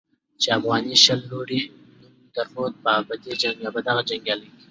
چې افغاني شل لوړ نوم درلود او په دغه جنګیالي